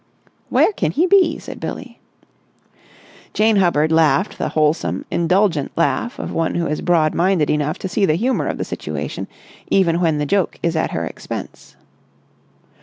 "Where can he be?" said Billie. Jane Hubbard laughed the wholesome, indulgent laugh of one who is broad minded enough to see the humour of the situation even when the joke is at her expense.